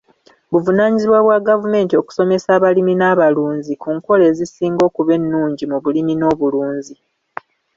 Buvunaanyizibwa bwa gavumenti okusomesa abalimi n'abalunzi ku nkola ezisinga okuba ennungi mu bulimi n'obulunzi.